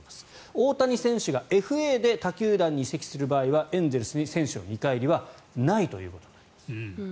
大谷選手がＦＡで他球団に移籍する場合はエンゼルスに選手の見返りはないということです。